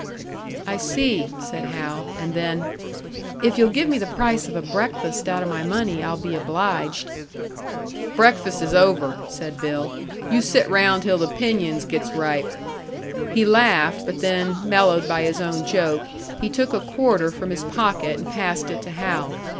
"I see," said Hal. And then, "If you'll give me the price of a breakfast out of my money, I'll be obliged." "Breakfast is over," said Bill. "You sit round till the pinyons gets ripe." He laughed; but then, mellowed by his own joke, he took a quarter from his pocket and passed it to Hal.